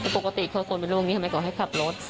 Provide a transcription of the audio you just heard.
ปกติคือคนเป็นโรคนี้ทำไมเขาให้ขับรถ